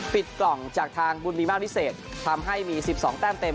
ปิดกล่องจากทางบุญมีมาตรวิเศษทำให้มี๑๒แต้มเต็ม